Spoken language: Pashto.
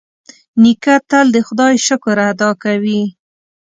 نیکه تل د خدای شکر ادا کوي.